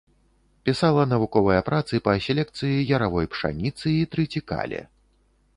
Пісала навуковыя працы па селекцыі яравой пшаніцы і трыцікале.